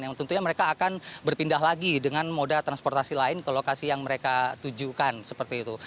yang tentunya mereka akan berpindah lagi dengan moda transportasi lain ke lokasi yang mereka tujukan seperti itu